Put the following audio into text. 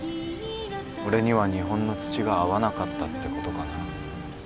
俺には日本の土が合わなかったってことかな。